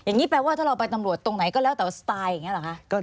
อย่างนี้แปลว่าถ้าเราไปตำรวจตรงไหนก็แล้วแต่สไตล์อย่างนี้หรอคะ